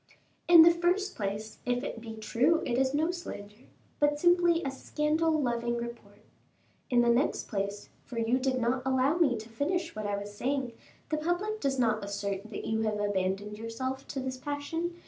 "In the first place, if it be true, it is no slander, but simply a scandal loving report. In the next place for you did not allow me to finish what I was saying the public does not assert that you have abandoned yourself to this passion.